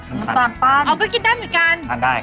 น้ำตาลปั้นครับอ๋อก็คิดได้เหมือนกัน